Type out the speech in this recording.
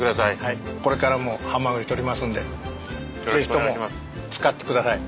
これからもハマグリ獲りますのでぜひとも使ってください。